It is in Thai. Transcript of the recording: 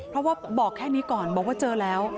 เพราะว่าบอกแค่นี้ก่อนบอกว่าเจอแล้ว